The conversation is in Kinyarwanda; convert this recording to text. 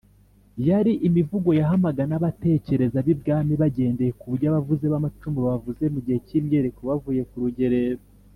yari imivugo yahamaga n’abatekereza b’i bwami bagendeye ku byo abavuzi b’amacumu bavuze mugihe cy’imyiyereko bavuye ku rugerero